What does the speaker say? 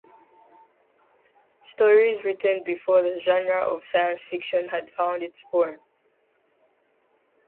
Stories written before the genre of science fiction had found its form.